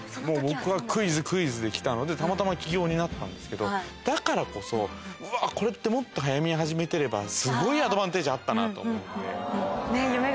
もう僕はクイズクイズで来たのでたまたま起業になったんですけどだからこそ「うわこれってもっと早めに始めてればすごいアドバンテージあったな」と思うんで。